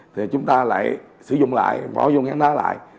thì chúng ta lại sử dụng lại bỏ vòng ngang đá lại